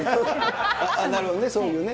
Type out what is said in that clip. なるほどね、そういうね。